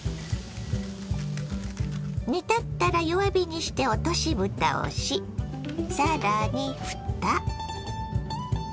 煮立ったら弱火にして落としぶたをし更にふた。